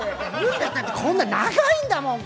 だって、こんな長いんだもん。